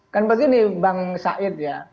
kan begini bang said ya